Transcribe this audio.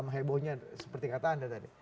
hebohnya seperti kata anda tadi